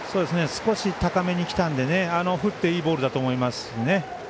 少し高めにきたので振っていいボールだと思いますね。